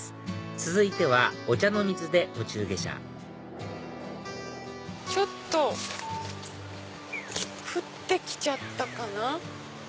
続いては御茶ノ水で途中下車ちょっと降って来ちゃったかな。